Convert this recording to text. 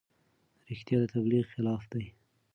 رښتیا د تبلیغ خلاف دي.